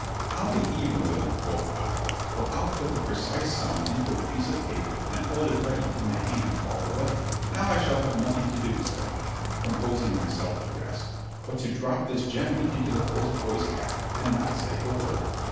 —I'll be even with 'em, quoth I, for I'll put the precise sum into a piece of paper, and hold it ready in my hand all the way: "Now I shall have nothing to do," said I (composing myself to rest), "but to drop this gently into the post boy's hat, and not say a word."